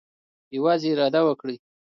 یوازې اراده وکړئ.